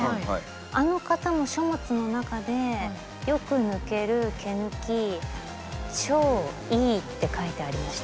あの方も書物の中で「よく抜ける毛抜き超いい」って書いてありました。